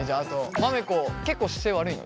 まめこ結構姿勢悪いの？